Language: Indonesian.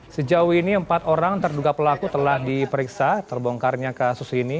sejauh ini empat orang terduga pelaku telah diperiksa terbongkarnya kasus ini